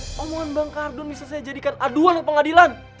omongan mbak kardun bisa saya jadikan aduan ke pengadilan